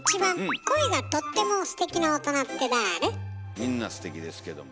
みんなステキですけども。